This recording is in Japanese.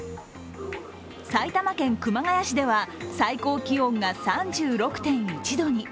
埼玉県熊谷市では、最高気温が３６．１度に。